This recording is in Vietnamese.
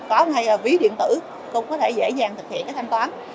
có vý điện tử cũng có thể dễ dàng thực hiện thanh toán